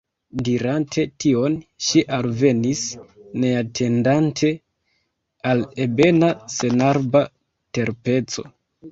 Dirante tion, ŝi alvenis, neatendante, al ebena senarba terpeco.